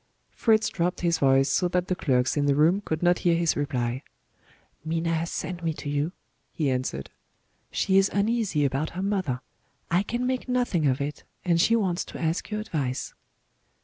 Fritz dropped his voice so that the clerks in the room could not hear his reply. "Minna has sent me to you," he answered. "She is uneasy about her mother. I can make nothing of it and she wants to ask your advice."